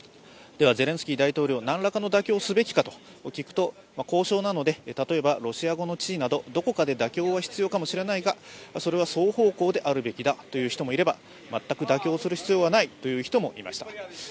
ではゼレンスキー大統領、何らかの妥協をすべきかと聞くと交渉なので、例えばロシア語の地位などどこかで妥協は必要かもしれないがそれは双方向であるべきだという人もいれば全く妥協する必要はないという人もいました。